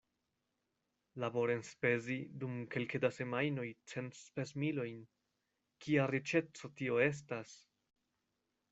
Laborenspezi dum kelke da semajnoj cent spesmilojn kia riĉeco tio estas!